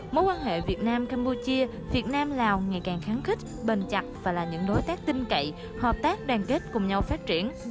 mối quan hệ việt nam campuchia việt nam lào ngày càng kháng khích bền chặt và là những đối tác tin cậy hợp tác đoàn kết cùng nhau phát triển